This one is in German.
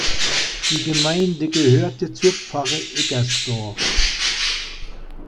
Die Gemeinde gehörte zur Pfarre Eggersdorf.